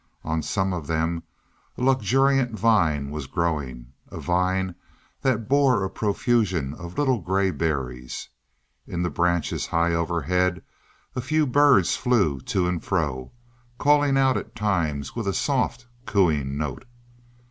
On some of them a luxuriant vine was growing a vine that bore a profusion of little gray berries. In the branches high overhead a few birds flew to and fro, calling out at times with a soft, cooing note.